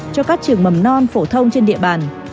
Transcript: cho các trường mầm non phổ thông trên địa bàn